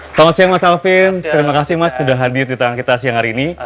selamat siang mas alvin terima kasih mas sudah hadir di tangan kita siang hari ini